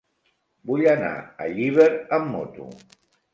Vull anar a Llíber amb moto.